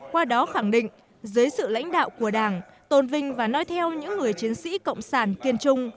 qua đó khẳng định dưới sự lãnh đạo của đảng tôn vinh và nói theo những người chiến sĩ cộng sản kiên trung